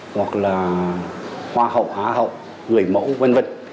hoặc là hoa hậu á hậu người mẫu v v